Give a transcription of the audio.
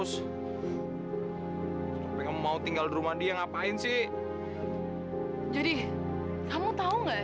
sampai jumpa di video selanjutnya